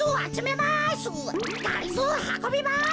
はこびます！